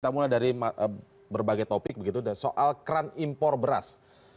kita mulai dari berbagai topik begitu soal kran impor beras